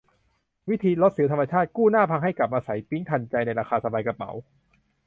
วิธีลดสิวธรรมชาติ กู้หน้าพังให้กลับมาใสปิ๊งทันใจ ในราคาสบายกระเป๋า